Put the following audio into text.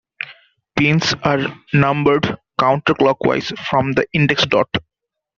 Pins are numbered counter-clockwise from the index dot.